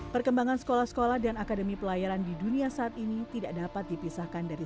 perkembangan sekolah sekolah dan akademi pelayaran di dunia saat ini tidak dapat dipisahkan dari